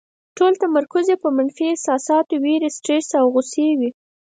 ټول تمرکز یې په منفي احساساتو، وېرې، سټرس او غوسې وي.